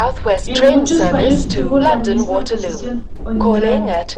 En muchos fallos tuvo la misma posición que Oyhanarte.